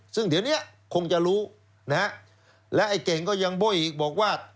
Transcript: ซึ่งเดี๋ยวนี้คงจะรู้นะฮะและไอ้เก่งก็ยังโบ้ยอีกบอกว่า